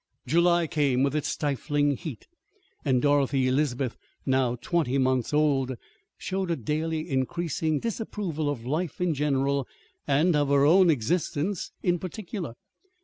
July came with its stifling heat, and Dorothy Elizabeth, now twenty months old, showed a daily increasing disapproval of life in general and of her own existence in particular.